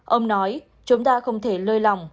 ông nói chúng ta không thể lơi lỏng